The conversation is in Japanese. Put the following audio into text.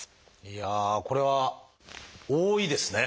いやあこれは多いですね。